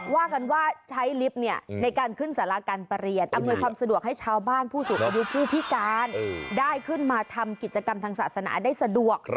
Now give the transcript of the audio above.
ว่ากันว่าใช้ลิฟต์ในการขึ้นสาราการประเรียนอำนวยความสะดวกให้ชาวบ้านผู้สูงอายุผู้พิการได้ขึ้นมาทำกิจกรรมทางศาสนาได้สะดวก